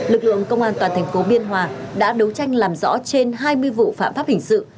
lực lượng công an toàn thành phố biên hòa đã đấu tranh làm rõ trên hai mươi vụ phạm pháp hình sự